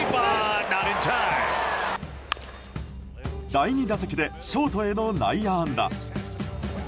第２打席でショートへの内野安打。